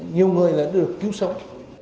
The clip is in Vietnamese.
nhiều người đã được cứu sống